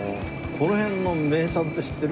この辺の名産って知ってる？